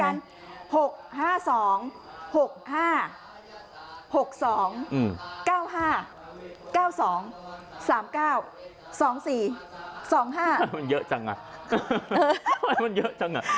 มันเยอะจังอ่ะมันเยอะจังอ่ะ